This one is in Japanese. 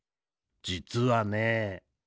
じつはね。